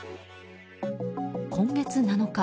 今月７日